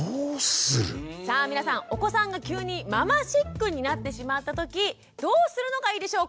さあ皆さんお子さんが急にママシックになってしまった時どうするのがいいでしょうか？